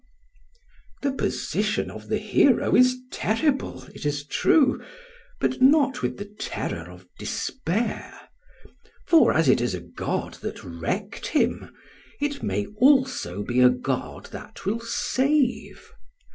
] The position of the hero is terrible, it is true, but not with the terror of despair; for as it is a god that wrecked him, it may also be a god that will save.